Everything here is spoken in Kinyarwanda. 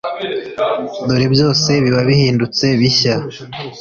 dore byose biba bihindutse bishya.